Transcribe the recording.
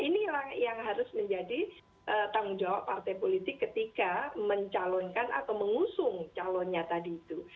ini yang harus menjadi tanggung jawab partai politik ketika mencalonkan atau mengusung calonnya tadi itu